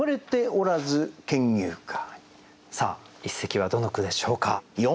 さあ一席はどの句でしょうか。